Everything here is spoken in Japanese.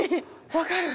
分かる。